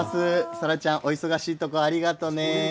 さらちゃんお忙しいところありがとうね。